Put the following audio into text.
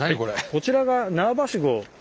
こちらが縄ばしご。